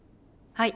はい。